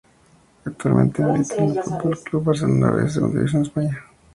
Actualmente milita en el Fútbol Club Barcelona "B" de la Segunda División de España.